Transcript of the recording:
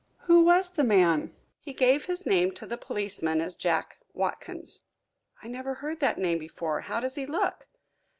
"Who was the man?" "He gave his name to the policeman as Jack Watkins." "I never heard that name before. How does he look?"